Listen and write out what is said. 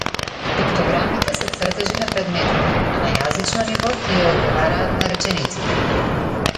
Пиктограмите се цртежи на предметите, а на јазично ниво тие одговараат на речениците.